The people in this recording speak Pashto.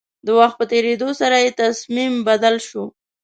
د وخت په تېرېدو سره يې تصميم بدل شو.